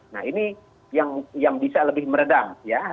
nah ini yang bisa lebih meredam ya